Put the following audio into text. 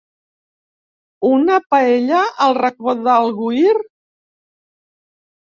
Una paella al Racó de l'Agüir?